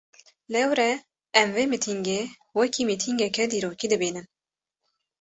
Lewre em vê mîtîngê, wekî mîtîngeke dîrokî dibînin